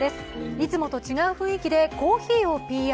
いつもと違う雰囲気でコーヒーをＰＲ。